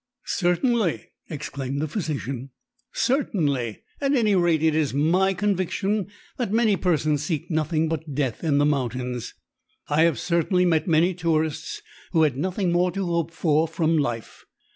"Certainly!" exclaimed the physician. "Certainly! At any rate, it is my conviction that many persons seek nothing but death in the mountains. I have certainly met many tourists who had nothing more to hope for from life.